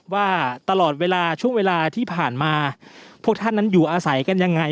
ว่าตลอดเวลาช่วงเวลาที่ผ่านมาพวกท่านนั้นอยู่อาศัยกันยังไง